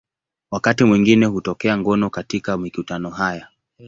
Wakati mwingine hutokea ngono katika mikutano haya.